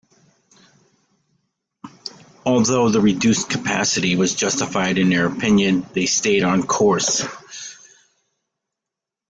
Although the reduced capacity was justifiable in their opinion, they stayed the course.